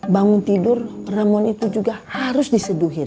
bangun tidur ramuan itu juga harus diseduh